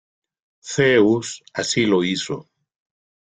Zeus así lo hizo.